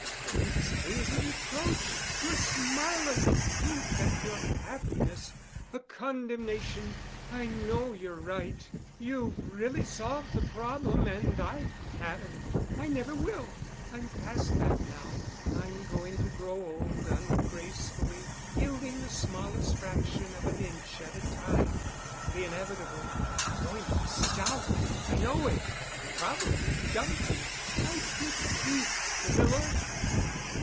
Your industry is a reproach—your smile a reproof and your happiness a condemnation. I know you're right. You've really solved the problem, and I haven't. I never will. I'm past that now. I'm going to grow old ungracefully, yielding the smallest fraction of an inch at a time to the inevitable. I'm going to be stout, I know it—and probably dumpy. I could weep, Camilla."